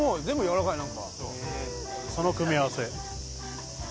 その組み合わせ。